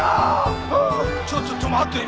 ちょちょちょ待ってよ